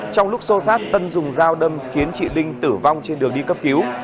trong lúc sô sát tân dùng dao đâm khiến chị linh tử vong trên đường đi cấp cứu